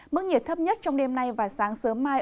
mức nhiệt thấp nhất trong đêm nay và sáng sớm mai